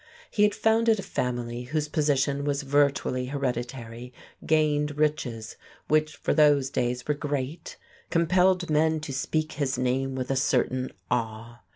He had founded a family whose position was virtually hereditary, gained riches which for those days were great, compelled men to speak his name with a certain awe.